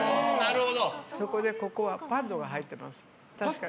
ここにはパットが入ってます。